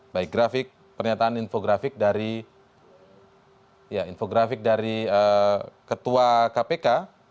baik grafik pernyataan infografik dari ketua kpk